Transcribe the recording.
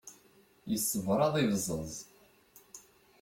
Yessebṛaḍ ibẓaẓ.